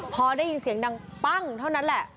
พอได้ยินเสียงดังปั้งเท่านั้นแหละ